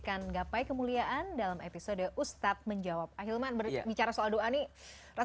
kakaknya jadi kalau misalnya kita berdoa